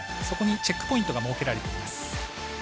そこにチェックポイントが設けられています。